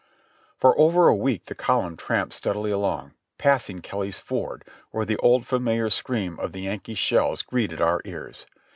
For over a week the column tramped steadily along, passing Kelly's Ford, where the old familiar scream of the Yankee shells greeted our ears.